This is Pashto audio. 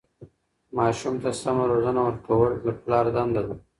ماسوم ته سمه روزنه ورکول د پلار دنده ده.